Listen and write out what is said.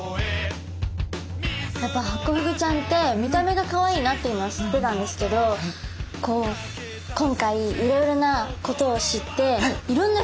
やっぱハコフグちゃんって見た目がかわいいなっていうのは知ってたんですけど今回いろいろなことを知っていろんな不思議もあったし